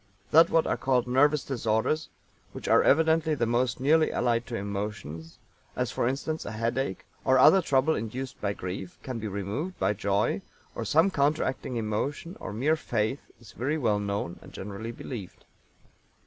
That what are called nervous disorders, which are evidently the most nearly allied to emotions as, for instance, a headache, or other trouble induced by grief can be removed by joy, or some counteracting emotion or mere faith is very well known and generally believed.